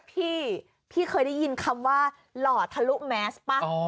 พี่พี่เคยได้ยินคำว่าหล่อทะลุแมสป่ะ